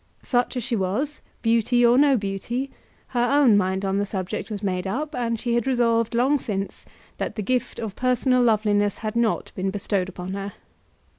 Such as she was, beauty or no beauty her own mind on the subject was made up, and she had resolved long since that the gift of personal loveliness had not been bestowed upon her.